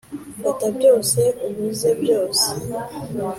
fata byose, ubuze byose.